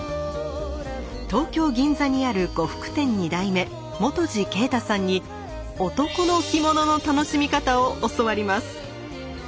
東京・銀座にある呉服店二代目泉二啓太さんに男の着物の楽しみ方を教わります。